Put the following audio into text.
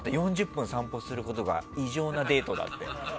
４０分散歩することが異常なデートだって。